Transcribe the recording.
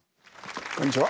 こんにちは。